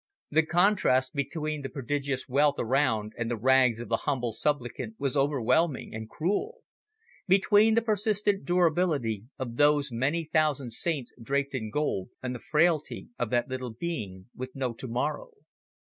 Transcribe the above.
The contrast between the prodigious wealth around and the rags of the humble supplicant was overwhelming and cruel; between the persistent durability of those many thousand Saints draped in gold, and the frailty of that little being with no tomorrow.